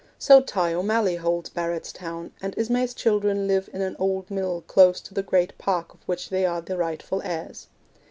So Tighe O'Malley holds Barrettstown, and Ismay's children live in an old mill close to the great park of which they are the rightful heirs.